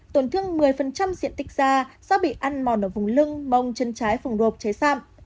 tổn thương một mươi diện tích da do bị ăn mòn ở vùng lưng bông chân trái phùng rộp cháy xăm